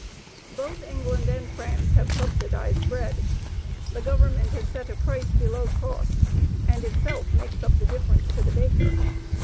Both England and France have subsidized bread; the Government has set a price below cost and itself makes up the difference to the baker.